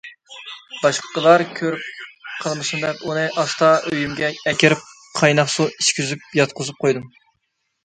باشقىلار كۆرۈپ قالمىسۇن دەپ ئۇنى ئاستا ئۆيۈمگە ئەكىرىپ قايناق سۇ ئىچكۈزۈپ ياتقۇزۇپ قويدۇم.